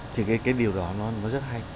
thì cái điều đó nó rất hay